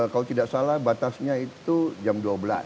kalau tidak salah batasnya itu jam dua belas